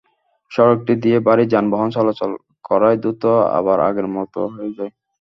সড়কটি দিয়ে ভারী যানবাহন চলাচল করায় দ্রুত আবার আগের মতো হয়ে যায়।